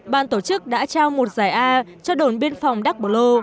ban tổ chức đã trao một giải a cho đồn biên phòng đắc bồ lô